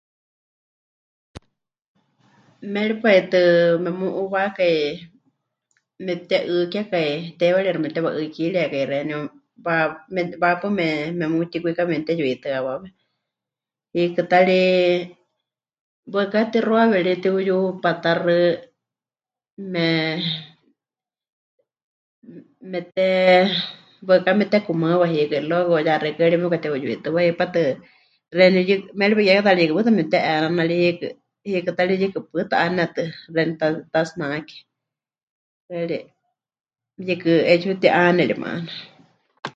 Méripai tɨ memu'uuwákai mepɨte'ɨkekai, teiwarixi mepɨtewa'ɨ́kiriekai xeeníu wa... me... wahepaɨ me... memutikwika memɨteyuitɨ́awawe, hiikɨ ta ri waɨká pɨtixuawe ri, pɨtiuyupatáxɨ me... me... mete... waɨká mepɨtekumaɨwa hiikɨ y luego ya xeikɨ́a ri mepɨkate'uyuitɨwa hipátɨ xeeníu yɨ... méripai kiekátaari yɨkɨ pɨta mepɨte'enana ri hiikɨ, hiikɨ ta ri yɨkɨ pɨta 'ánenetɨ xeeníu ta... tatsinake, xɨari yɨkɨ 'etsiwa pɨti'ane ri maana.